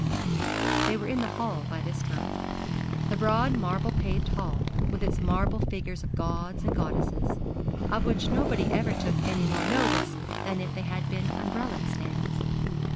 "' They were in the hall by this time. The broad marble paved hall, with its marble figures of gods and goddesses, of which nobody ever took any more notice than if they had been umbrella stands.